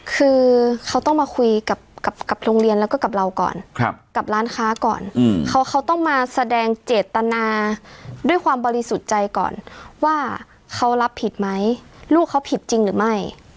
คือเขาต้องมาคุยกับโรงเรียนแล้วก็กับเราก่อนกับร้านค้าก่อนเขาต้องมาแสดงเจตนาด้วยความบริสุทธิ์ใจก่อนว่าเขารับผิดไหมลูกเขาผิดจริงหรือไม่